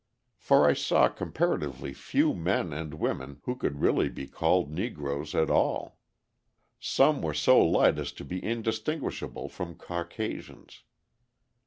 For I saw comparatively few men and women who could really be called Negroes at all. Some were so light as to be indistinguishable from Caucasians.